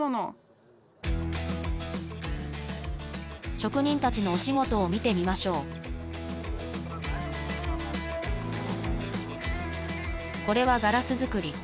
職人たちのお仕事を見てみましょうこれはガラス作り。